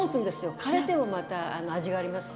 枯れても、また味が出ますし。